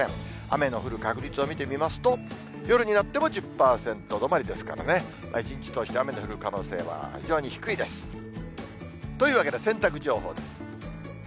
雨の降る確率を見てみますと、夜になっても１０％止まりですからね、一日通して雨降る可能性は非常に低いです。というわけで、洗濯情報です。